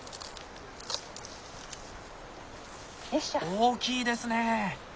大きいですね！